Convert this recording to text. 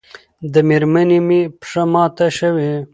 د مېرمنې مې پښه ماته شوې